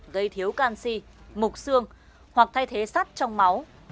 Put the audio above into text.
gây thiếu canxi mục xương hoặc thay thế sắt trong máu